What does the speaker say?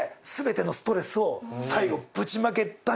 最後。